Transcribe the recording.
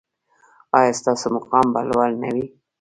ایا ستاسو مقام به لوړ نه وي؟